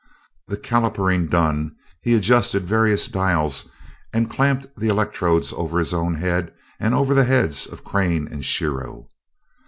The calipering done, he adjusted various dials and clamped the electrodes over his own head and over the heads of Crane and Shiro.